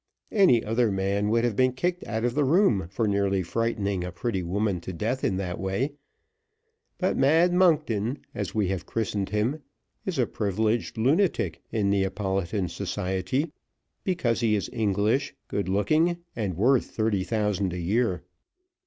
Any other man would have been kicked out of the room for nearly frightening a pretty woman to death in that way; but 'Mad Monkton,' as we have christened him, is a privileged lunatic in Neapolitan society, because he is English, good looking, and worth thirty thousand a year.